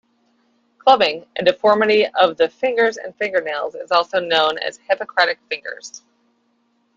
Clubbing, a deformity of the fingers and fingernails, is also known as Hippocratic fingers.